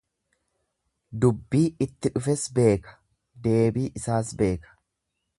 Dubbii itti dhufes beeka deebii isaas beeka.